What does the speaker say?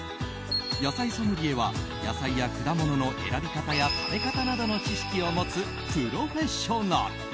野菜ソムリエは野菜や果物の選び方や食べ方などの知識を持つプロフェッショナル。